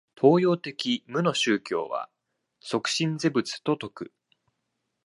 東洋的無の宗教は即心是仏と説く。